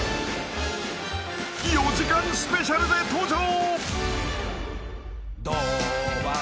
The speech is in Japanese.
［４時間スペシャルで登場］